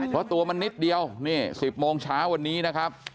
เพราะตัวมันนิดเดียวนี่๑๐โมงเช้าวันนี้นะครับ